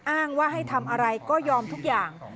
อ้างว่าให้ทำอะไรก็ยอมทุกอย่าง